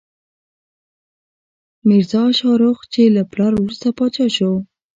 میرزا شاهرخ، چې له پلار وروسته پاچا شو.